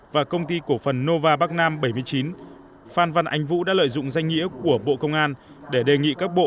và công ty cổ phần nova bắc nam bảy mươi chín phan văn ánh vũ đã lợi dụng danh nghĩa của bộ công an để đề nghị các bộ